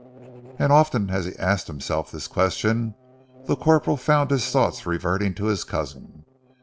As often as he asked himself this question, the corporal found his thoughts reverting to his cousin.